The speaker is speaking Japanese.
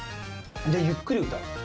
じゃあゆっくりうたう。